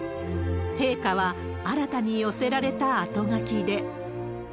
陛下は、新たに寄せられたあとがきで。